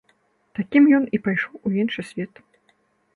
Такім ён і пайшоў у іншы свет.